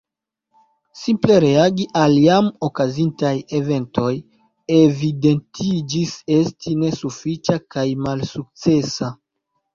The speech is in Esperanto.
Simple reagi al jam okazintaj eventoj evidentiĝis esti nesufiĉa kaj malsukcesa.